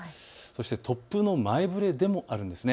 そして突風の前触れでもあります。